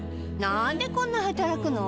なんでこんな働くの？